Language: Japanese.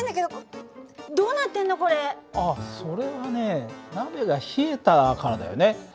あっそれはね鍋が冷えたからだよね。